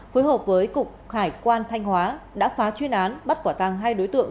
phối hợp với cục khải quan thanh hóa đã phá chuyên án bắt quả tăng hai đối tượng